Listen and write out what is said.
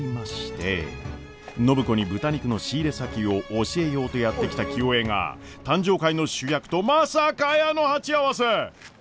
暢子に豚肉の仕入れ先を教えようとやって来た清恵が誕生会の主役とまさかやーの鉢合わせ。